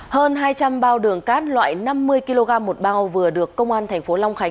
hơn hai trăm linh bao đường cát loại năm mươi kg một bao vừa được công an thành phố long khánh